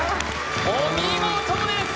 お見事です！